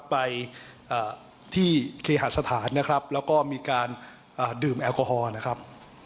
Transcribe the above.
ไปที่เคหาสถานนะครับแล้วก็มีการดื่มแอลกอฮอล์นะครับ